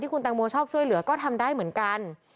คุณแตงโมชอบช่วยเหลือก็ทำได้เหมือนกัน